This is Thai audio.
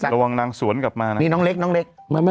ระวังดังสวนกลับมานะ